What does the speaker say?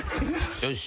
よし。